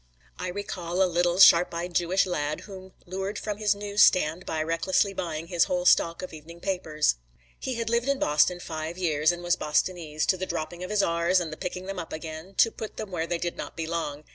I recall a little, sharp eyed Jewish lad whom lured from his news stand by recklessly buying his whole stock of evening papers. He had lived in Boston five years and was Bostonese, to the dropping of his Rs, and the picking them up again, to put where they did not belong.